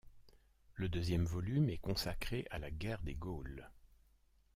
Le deuxième volume est consacré à la guerre des Gaules.